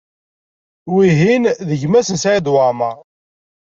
Wihin d gma-s n Saɛid Waɛmaṛ.